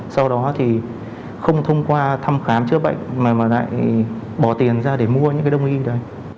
sau đó thì không thông qua thăm khám chữa bệnh mà lại bỏ tiền ra để mua những cái đồng y đấy